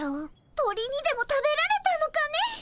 鳥にでも食べられたのかね？